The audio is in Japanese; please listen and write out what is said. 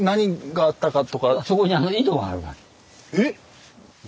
えっ？